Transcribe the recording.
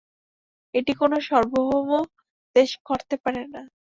এটি কোনো সার্বভৌম দেশ করতে পারে না।